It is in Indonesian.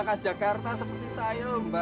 mba di jakarta seperti saya lho mba